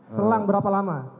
selang berapa lama